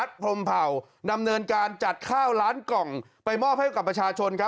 ดำเนินการจัดข้าวร้านกล่องไปมอบให้กับประชาชนครับ